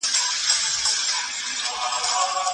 د دلارام سیند په اوړي کي ډېر لږ کېږي